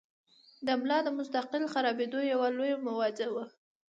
د ملا د مستقل خرابېدو يوه لويه وجه وي -